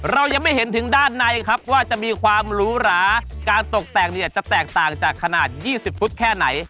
เรายังไม่เห็นถึงด้านในครับว่าจะมีความหรูหราการตกแต่งเนี่ยจะแตกต่างจากขนาด๒๐ฟุตแค่ไหน